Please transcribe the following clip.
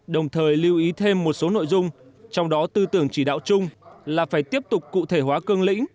đồng thời lưu ý thêm một số nội dung trong đó tư tưởng chỉ đạo chung là phải tiếp tục cụ thể hóa cương lĩnh